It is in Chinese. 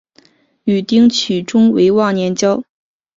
与丁取忠为忘年交。